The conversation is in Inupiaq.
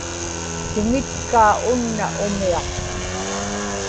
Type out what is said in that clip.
tiŋitkaa unna umiaq